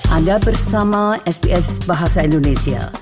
anda bersama sps bahasa indonesia